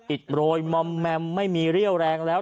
อิดโรยมอมแมมไม่มีเรี่ยวแรงแล้ว